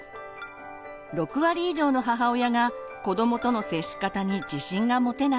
６割以上の母親が子どもとの接し方に自信が持てない。